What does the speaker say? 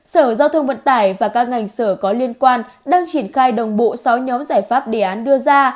sở giao thông vận tải và các ngành sở có liên quan đang triển khai đồng bộ sáu nhóm giải pháp đề án đưa ra